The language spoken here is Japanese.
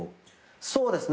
そうですね。